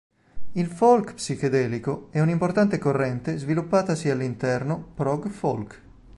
Il folk psichedelico è un'importante corrente sviluppatasi all'interno prog folk.